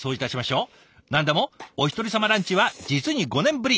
何でもおひとり様ランチは実に５年ぶり。